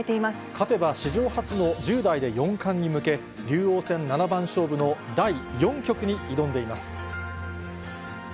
勝てば、史上初の１０代で四冠に向け、竜王戦七番勝負の第４局に挑んでいます。